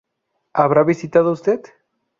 ¿Habrá visitado usted?